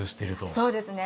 そうですね。